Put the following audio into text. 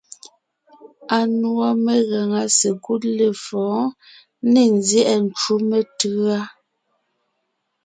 Anùɔ megàŋa sekúd lefɔ̌ɔn ne nzyɛ́ʼɛ ncú metʉ̌a.